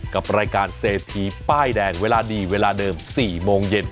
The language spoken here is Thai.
กับรายการเศรษฐีป้ายแดงเวลาดีเวลาเดิม๔โมงเย็น